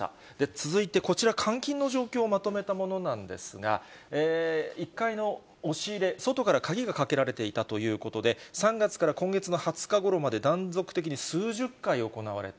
続いてこちら、監禁の状況をまとめたものなんですが、１階の押し入れ、外から鍵がかけられていたということで、３月から今月の２０日ごろまで断続的に数十回行われた。